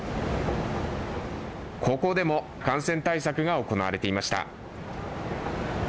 ここでも感染対策が行われていました。